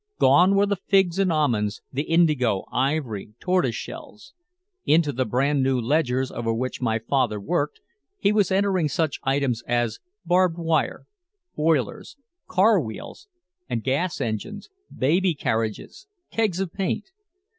Gone were the figs and almonds, the indigo, ivory, tortoise shells. Into the brand new ledgers over which my father worked, he was entering such items as barbed wire, boilers, car wheels and gas engines, baby carriages, kegs of paint.